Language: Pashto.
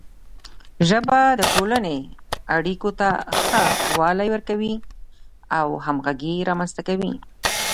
ژبه د ټولنې اړیکو ته ښه والی ورکوي او همغږي رامنځته کوي.